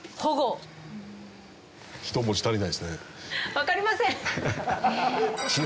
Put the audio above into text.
わかりません。